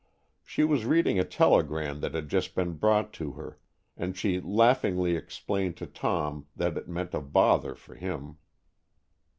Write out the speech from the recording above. She was reading a telegram that had just been brought to her, and she laughingly explained to Tom that it meant a bother for him.